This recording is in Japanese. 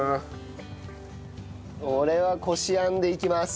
俺はこしあんでいきます。